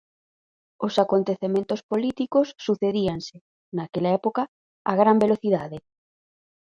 Os acontecementos políticos sucedíanse, naquela época, a gran velocidade.